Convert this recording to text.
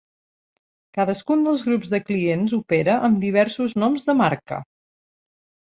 Cadascun dels grups de clients opera amb diversos noms de marca.